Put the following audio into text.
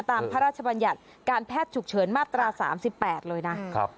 พระราชบัญญัติการแพทย์ฉุกเฉินมาตรา๓๘เลยนะ